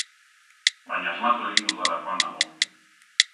Baina asmatu egin dudalakoan nago.